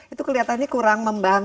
itu kelihatannya kurang membahas